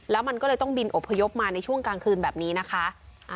แล้วมันก็เลยต้องบินอพยพมาในช่วงกลางคืนแบบนี้นะคะ